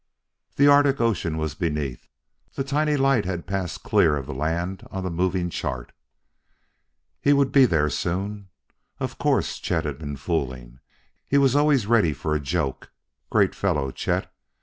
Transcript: The Arctic Ocean was beneath. The tiny light had passed clear of the land on the moving chart. He would be there soon.... Of course Chet had been fooling; he was always ready for a joke.... Great fellow, Chet!